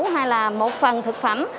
hay là một phần thực phẩm